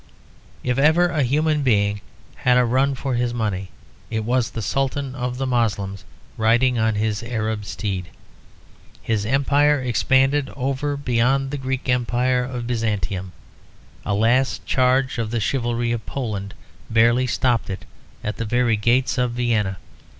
If ever a human being had a run for his money, it was the Sultan of the Moslems riding on his Arab steed. His empire expanded over and beyond the great Greek empire of Byzantium; a last charge of the chivalry of Poland barely stopped it at the very gates of Vienna.